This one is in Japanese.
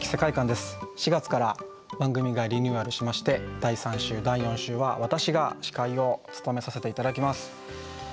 ４月から番組がリニューアルしまして第３週第４週は私が司会を務めさせて頂きます。